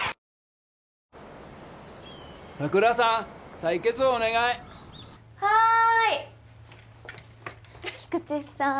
採血お願いはーい菊池さん